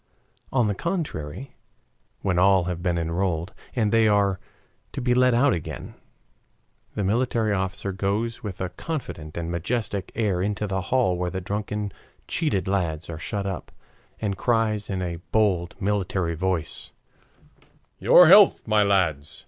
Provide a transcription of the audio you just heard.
On the contrary, when all have been enrolled, and they are to be let out again, the military officer goes with a confident and majestic air into the hall where the drunken, cheated lads are shut up, and cries in a bold, military voice: "Your health, my lads!